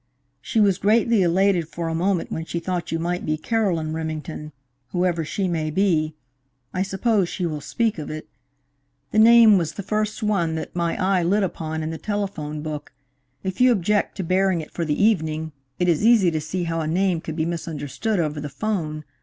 She was greatly elated for a moment when she thought you might be Carolyn Remington whoever she may be. I suppose she will speak of it. The name was the first one that my eye lit upon in the telephone book. If you object to bearing it for the evening, it is easy to see how a name could be misunderstood over the 'phone.